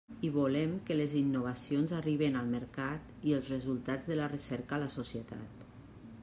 I volem que les innovacions arriben al mercat i els resultats de la recerca a la societat.